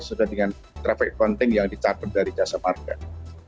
serta dengan traffic accounting yang dicatat dari jasa market